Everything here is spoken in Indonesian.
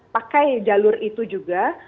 pakai jalur itu juga